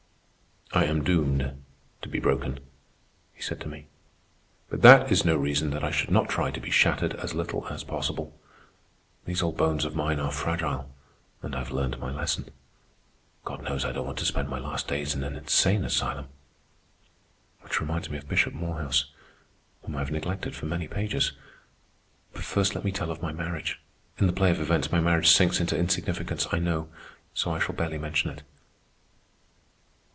"I am doomed to be broken," he said to me; "but that is no reason that I should not try to be shattered as little as possible. These old bones of mine are fragile, and I've learned my lesson. God knows I don't want to spend my last days in an insane asylum." Which reminds me of Bishop Morehouse, whom I have neglected for many pages. But first let me tell of my marriage. In the play of events, my marriage sinks into insignificance, I know, so I shall barely mention it.